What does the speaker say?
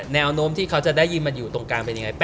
แนวโน้มที่เขาจะได้ยินมันอยู่ตรงกลางเป็นยังไง